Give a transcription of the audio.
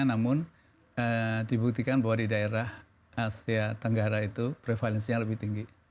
dan dibuktikan bahwa di daerah asia tenggara itu prevalensinya lebih tinggi